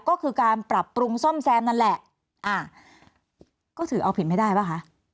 ก็คือการปรับปรุงซ่อมแซมนั่นแหละอ่าก็ถือเอาผิดไม่ได้ป่ะคะ